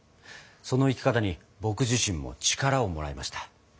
その生き方に僕自身も力をもらいました。